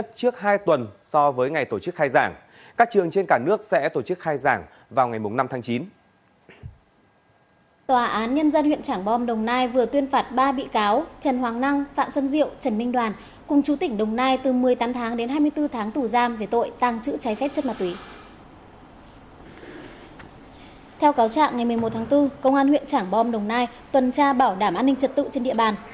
theo cáo trạng ngày một mươi một tháng bốn công an huyện trảng bom đồng nai tuần tra bảo đảm an ninh trật tự trên địa bàn